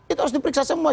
itu harus diperiksa semua